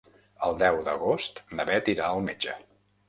El deu d'agost na Bet irà al metge.